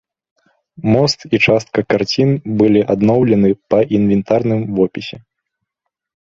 Мост і частка карцін былі адноўлены па інвентарным вопісе.